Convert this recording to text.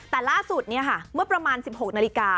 แต่ล่าสุดเนี่ยค่ะเมื่อประมาณ๑๖นาฬิกา